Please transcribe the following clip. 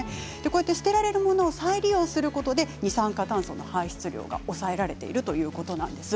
捨てられるものを再利用することで、二酸化炭素の排出量が抑えられているということなんです。